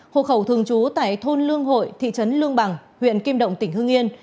hộ khẩu thường trú tại thôn lương hội thị trấn lương bằng huyện kim động tỉnh hương yên